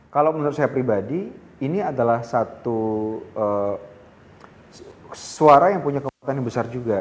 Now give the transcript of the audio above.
kalau menurut saya pribadi ini adalah satu suara yang punya kekuatan yang besar juga